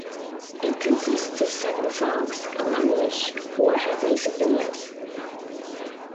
It consists of seven songs among which four have music videos.